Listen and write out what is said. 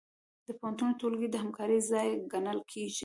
د پوهنتون ټولګي د همکارۍ ځای ګڼل کېږي.